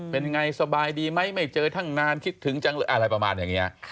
เป็นไงสบายดีไหมไม่เจอทั้งนานคิดถึงจังอะไรประมาณอย่างนี้